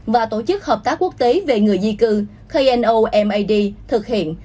và tổ chức hợp tác quốc tế về người di cư kno mad thực hiện